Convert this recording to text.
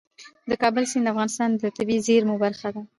د کابل سیند د افغانستان د طبیعي زیرمو برخه ده.